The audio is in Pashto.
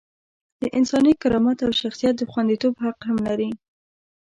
د انساني کرامت او شخصیت د خونديتوب حق هم لري.